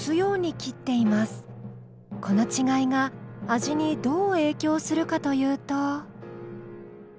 この違いが味にどう影響するかというと。